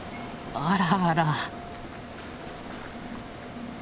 あらあら。